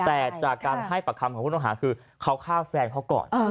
แต่จากการให้ปากคำของผู้ต้องหาคือเขาฆ่าแฟนเขาก่อน